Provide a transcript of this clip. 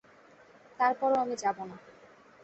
তারপরও আমি যাবো না।